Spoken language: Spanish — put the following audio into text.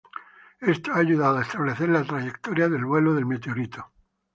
Esto ha ayudado a establecer la trayectoria del vuelo del meteorito.